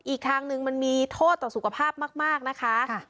อีกทางหนึ่งมันมีโทษต่อสุขภาพมากนะคะ